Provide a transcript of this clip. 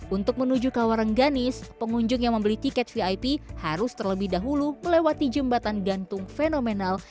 untuk menuju kawarengganis pengunjung yang membeli tiket vip harus terlebih dahulu melewati jembatan gantung fenomenal